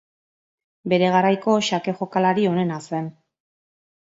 Bere garaiko xake jokalari onena zen.